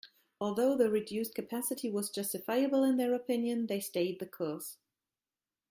Although the reduced capacity was justifiable in their opinion, they stayed the course.